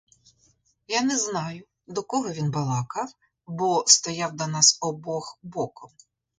Я не знаю, до кого він балакав, бо стояв до нас обох боком.